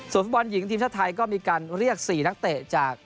ฟุตบอลหญิงทีมชาติไทยก็มีการเรียก๔นักเตะจาก